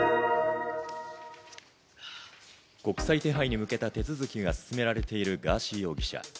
国際手配に向けた手続きが進められているガーシー容疑者。